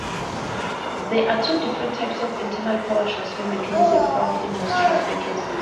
There are two different types of internal power-transfer mechanism found in most transfer cases.